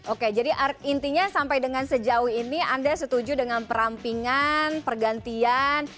oke jadi intinya sampai dengan sejauh ini anda setuju dengan perampingan pergantian